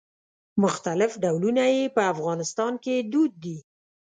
مختلف ډولونه یې په افغانستان کې دود دي.